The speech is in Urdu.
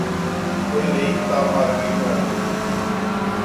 کوئی نئی کتاب مارکیٹ میں آتی تھی۔